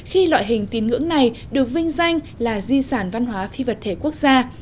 hình tín ngưỡng này được vinh danh là di sản văn hóa phi vật thể quốc gia